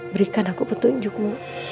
berikan aku petunjukmu